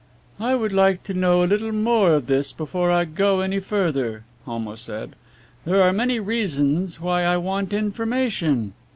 "I would like to know a little more of this before I go any further," Homo said, "there are many reasons why I want information."